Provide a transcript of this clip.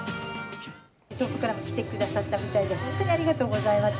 遠くから来てくださったみたいで、本当にありがとうございます。